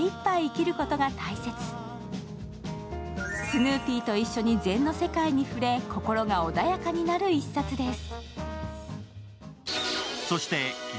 スヌーピーと一緒に禅の世界に触れ、心が穏やかになる一冊です。